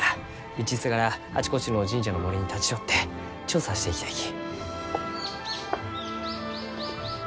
道すがらあちこちの神社の森に立ち寄って調査していきたいき。